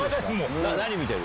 何見てる？